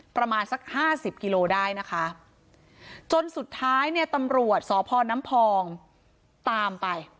ประมาณสักห้าสิบกิโลได้นะคะจนสุดท้ายเนี่ยตำรวจสพน้ำพองตามไป